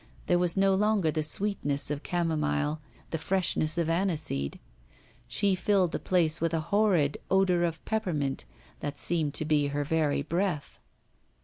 There was no longer the sweetness of camomile, the freshness of aniseed; she filled the place with a horrid odour of peppermint that seemed to be her very breath.